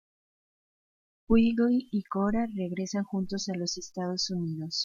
Quigley y Cora regresan juntos a los Estados Unidos.